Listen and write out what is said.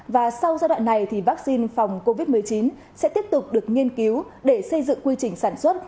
và sau giai đoạn này thì vaccine phòng covid một mươi chín sẽ tiếp tục được nghiên cứu để xây dựng quy trình sản xuất